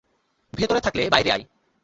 ভেতরে থাকলে বাইরে আয়।